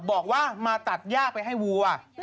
บอกว่ามาตัดยากไปให้วูว่ะ